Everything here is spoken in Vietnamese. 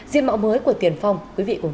diện mạo mới của tiền phong quý vị cùng